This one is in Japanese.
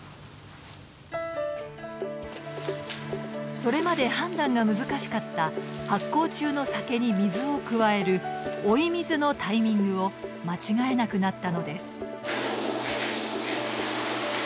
それまで判断が難しかった発酵中の酒に水を加える「追い水」のタイミングを間違えなくなったのです。